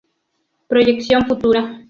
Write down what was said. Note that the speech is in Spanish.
Proyección futura.